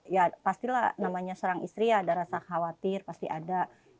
ya pastilah namanya serang istri ya ada rasa khawatir pasti ada